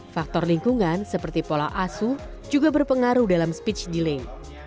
faktor lingkungan seperti pola asuh juga berpengaruh dalam speech delay